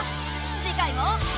次回も。